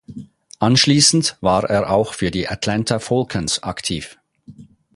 Anschließend war er auch für die Atlanta Falcons aktiv.